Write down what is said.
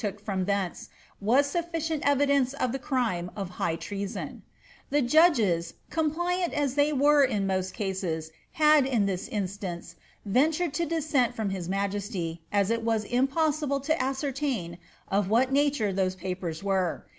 took from thence was sufficient evidence of the crime of high trea I.* The judges, compliant as they were in most cases, had, in this lance, ventured to dissent from his majesty, as it was impossible to «rtain of what nature those papers were.